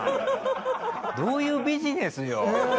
どういうビジネスよ？